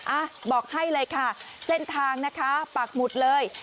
อ่ะบอกให้เลยค่ะเส้นทางนะคะปากหมุดเลย